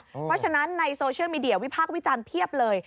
เพราะฉะนั้นในโซเชียลมีเดียวิพากษ์วิจารณ์เพียบเลย